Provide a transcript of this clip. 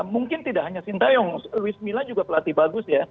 mungkin tidak hanya sintayong luis mila juga pelatih bagus ya